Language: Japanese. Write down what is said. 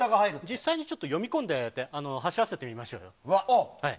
実際に読み込んで走らせてみましょう。